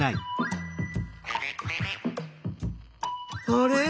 あれ？